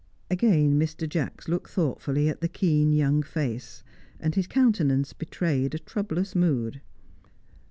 Again Mr. Jacks looked thoughtfully at the keen young face, and his countenance betrayed a troublous mood.